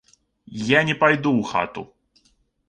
Я не пайду ў хату.